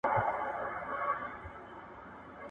د مصري قانون له لاري د يو سړي پر مړينه به